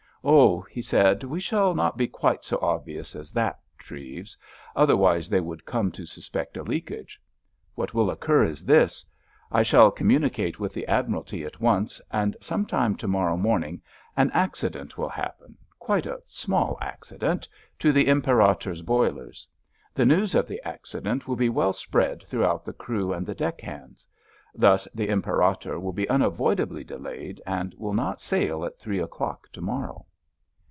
"Oh," he said, "we shall not be quite so obvious as that, Treves, otherwise they would come to suspect a leakage. What will occur is this: I shall communicate with the Admiralty at once, and some time to morrow morning an accident will happen—quite a small accident—to the Imperator's boilers. The news of the accident will be well spread throughout the crew and the deck hands. Thus the Imperator will be unavoidably delayed and will not sail at three o'clock to morrow."